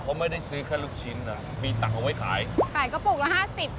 เขาไม่ได้ซื้อแค่ลูกชิ้นอ่ะมีตังค์เอาไว้ขายขายกระปุกละห้าสิบ